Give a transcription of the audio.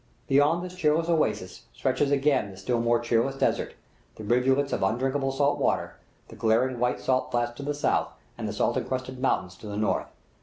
Beyond this cheerless oasis stretches again the still more cheerless desert, the rivulets of undrinkable salt water, the glaring white salt flats to the south, and the salt encrusted mountains to the north.